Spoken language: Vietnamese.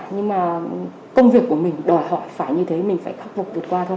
nhưng mà công việc của mình đòi hỏi phải như thế mình phải khắc phục vượt qua thôi